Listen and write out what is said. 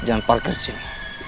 jangan parkir disini